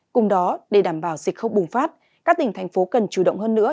cùng đó để đảm bảo dịch không bùng phát các tỉnh thành phố cần chủ động hơn nữa